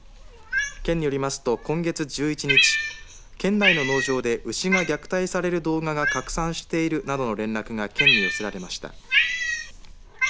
県によりますと今月１１日県内の農場で牛が虐待される動画が拡散しているなどの連絡が県に寄せられました。